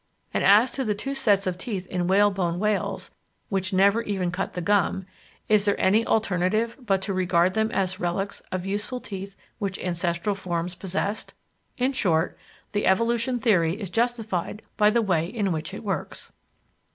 And as to the two sets of teeth in whalebone whales, which never even cut the gum, is there any alternative but to regard them as relics of useful teeth which ancestral forms possessed? In short, the evolution theory is justified by the way in which it works.